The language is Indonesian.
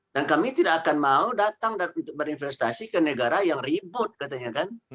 dan kami tidak akan mau datang dan berinvestasi ke negara yang ribut katanya